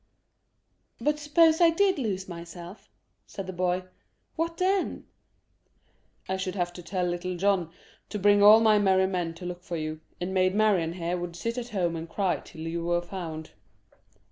"But suppose I did lose myself," said the boy; "what then?" "I should have to tell Little John to bring all my merry men to look for you, and Maid Marian here would sit at home and cry till you were found."